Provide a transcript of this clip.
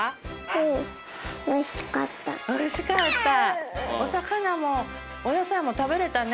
おいしかった。